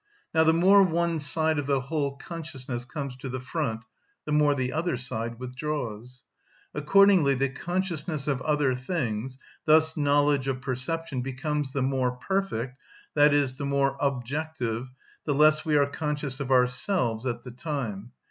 Now the more one side of the whole consciousness comes to the front, the more the other side withdraws. Accordingly, the consciousness of other things, thus knowledge of perception, becomes the more perfect, i.e., the more objective, the less we are conscious of ourselves at the time.